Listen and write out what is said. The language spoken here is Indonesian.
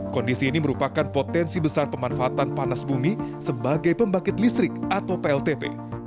kondisi ini merupakan potensi besar pemanfaatan panas bumi sebagai pembangkit listrik atau pltp